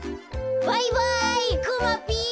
バイバイくまぴ！